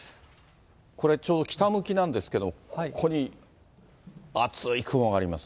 これ、ちょうど北向きなんですけれども、ここに厚い雲があります。